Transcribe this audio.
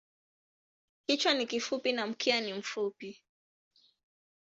Kichwa ni kifupi na mkia ni mfupi.